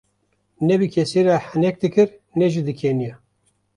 Ne bi kesî re henek dikir ne jî dikeniya.